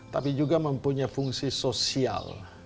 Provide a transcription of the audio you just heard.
tapi juga mempunyai fungsi sosial